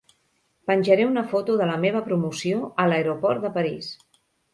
Penjaré una foto de la meva promoció a l'aeroport de París.